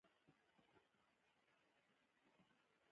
څلورو کسانو له سیم خاردار څخه بهر منډې وهلې